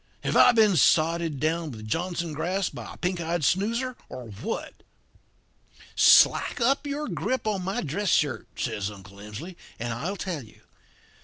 Have I been sodded down with Johnson grass by a pink eyed snoozer, or what?' "'Slack up your grip in my dress shirt,' says Uncle Emsley, 'and I'll tell you.